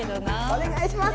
お願いします。